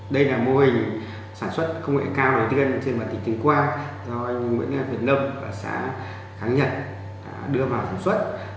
đây là mô hình sản xuất công nghệ cao đầu tiên trên bản tình tình qua do anh nguyễn việt lâm và xã kháng nhật đưa vào sản xuất